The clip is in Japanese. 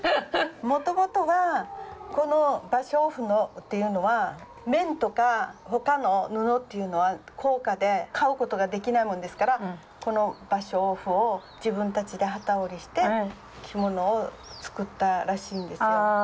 もともとはこの芭蕉布っていうのは綿とかほかの布は高価で買う事ができないもんですからこの芭蕉布を自分たちで機織りして着物を作ったらしいんですよ。